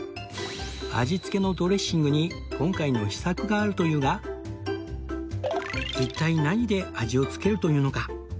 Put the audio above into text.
味付けのドレッシングに今回の秘策があるというが一体何で味を付けるというのか？